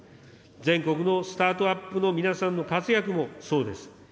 全国のスタートアップの皆さんの活躍もそうです。